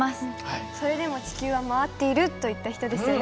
「それでも地球は回っている」と言った人ですよね？